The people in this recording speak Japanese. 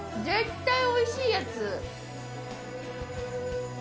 絶対おいしいやつ。